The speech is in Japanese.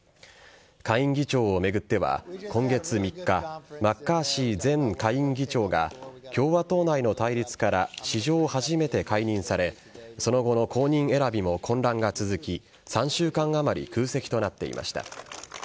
下院議長を巡っては、今月３日マッカーシー前下院議長が共和党内の対立から史上初めて解任されその後の後任選びも混乱が続き３週間あまり空席となっていました。